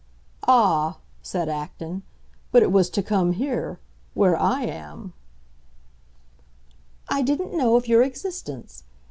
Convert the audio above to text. "Ah," said Acton, "but it was to come here, where I am!" "I didn't know of your existence.